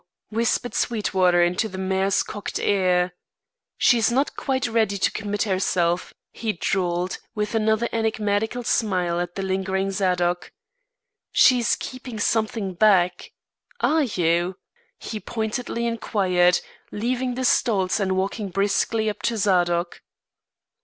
whispered Sweetwater into the mare's cocked ear. "She's not quite ready to commit herself," he drawled, with another enigmatical smile at the lingering Zadok. "She's keeping something back. Are you?" he pointedly inquired, leaving the stalls and walking briskly up to Zadok.